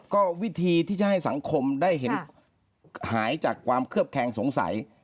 ก็วิธีที่จะให้สังคมได้เห็นหายจากความเคลือบแคงสงสัย